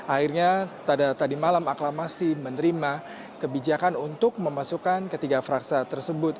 akhirnya tadi malam aklamasi menerima kebijakan untuk memasukkan ketiga fraksi tersebut